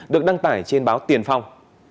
được đăng tải trên báo tiền phong